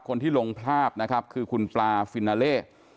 คนที่ลงภาพนะครับคือคุณปลาฟินนาเล่